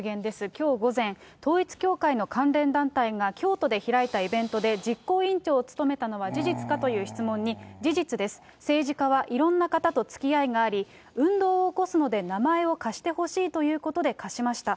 きょう午前、統一教会の関連団体が、京都で開いたイベントで、実行委員長を務めたのは事実かという質問に、事実です、政治家はいろんな方とつきあいがあり、運動を起こすので名前を貸してほしいということで貸しました。